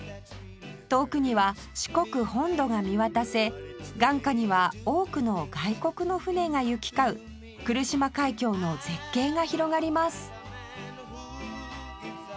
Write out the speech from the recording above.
遠くには四国本土が見渡せ眼下には多くの外国の船が行き交う来島海峡の絶景が広がります